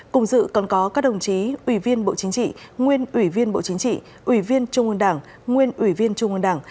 cùng dự còn có các đồng chí ủy viên bộ chính trị nguyên ủy viên bộ chính trị ủy viên trung ương đảng nguyên ủy viên trung ương đảng